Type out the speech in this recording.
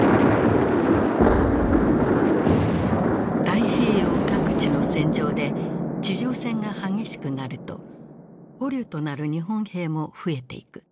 太平洋各地の戦場で地上戦が激しくなると捕虜となる日本兵も増えていく。